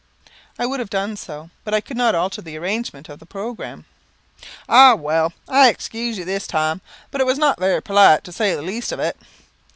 "I would have done so; but I could not alter the arrangement of the programme." "Ah, well, I excuse you this time, but it was not very polite, to say the least of it."